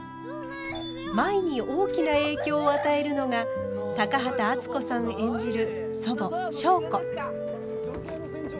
舞に大きな影響を与えるのが高畑淳子さん演じる祖母祥子。